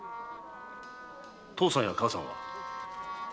父さんや母さんは？